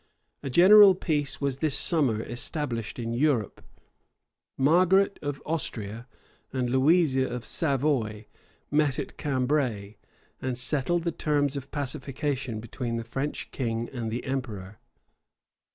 A general peace was this summer established in Europe. Margaret of Austria and Louisa of Savoy met at Cambray, and settled the terms of pacification between the French king and the emperor.